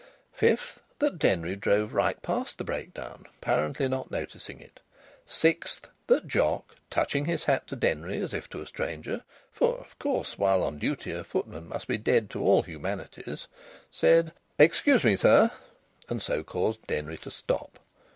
Fifth, that Denry drove right past the breakdown, apparently not noticing it. Sixth, that Jock, touching his hat to Denry as if to a stranger (for, of course, while on duty a footman must be dead to all humanities), said: "Excuse me, sir," and so caused Denry to stop.